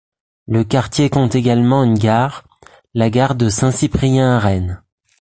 Le quartier compte également une gare, la gare de Saint-Cyprien-Arènes.